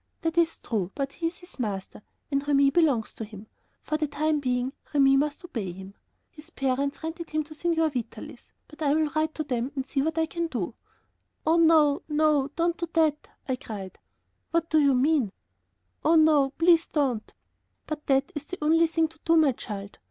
"That is true, but he is his master, and Remi belongs to him. For the time being, Remi must obey him. His parents rented him to Signor Vitalis, but I will write to them and see what I can do." "Oh, no, no, don't do that," I cried. "What do you mean?" "Oh, no, please don't." "But that is the only thing to do, my child."